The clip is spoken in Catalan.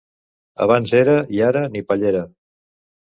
Abans era i ara ni pallera.